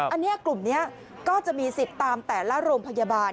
อันนี้กลุ่มนี้ก็จะมีสิทธิ์ตามแต่ละโรงพยาบาล